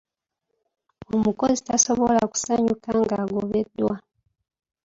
Omukozi tasobola kusanyuka ng'agobeddwa.